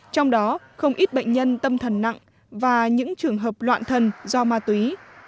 trong đó không ít bệnh nhân tâm thần nặng và những trường hợp loạn thần do ma túy